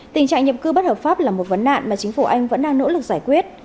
tình trạng nhập cư bất hợp pháp là một vấn nạn mà chính phủ anh vẫn đang nỗ lực giải quyết